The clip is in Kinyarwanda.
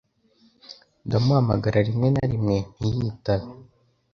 Ndamuhamagara rimwe na rimwe ntiyitabe.